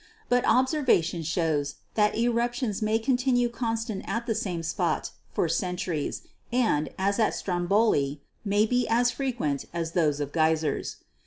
But observation shows that eruptions may continue constant at the same spot for centuries and, as at Stromboli, may be as frequent as those of geysers.